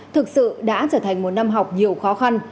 thực sự đã trở thành một năm học nhiều khó khăn